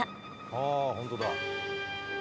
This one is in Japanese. あ本当だ。